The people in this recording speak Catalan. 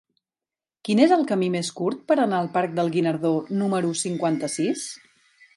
Quin és el camí més curt per anar al parc del Guinardó número cinquanta-sis?